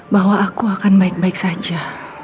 bahwa aku akan baik baik saja